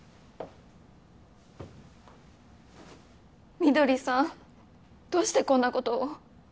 翠さんどうしてこんなことを？